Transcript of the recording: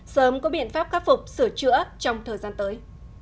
sớm có biện pháp khắc phục sửa chữa trong thời gian tới